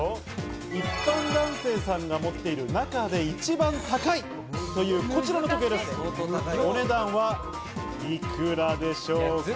一般男性さんが持っている中で一番高いというこちらの時計、お値段はおいくらでしょうか。